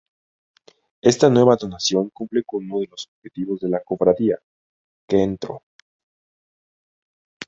Esta nueva donación cumple con unos de los objetivos de la cofradía, que Ntro.